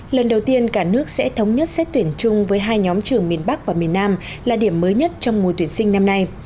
lần đầu tiên cả nước sẽ thống nhất xét tuyển chung với hai nhóm trường miền bắc và miền nam là điểm mới nhất trong mùa tuyển sinh năm nay